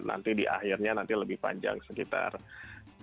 nanti di akhirnya nanti lebih panjang sekitar tengah hari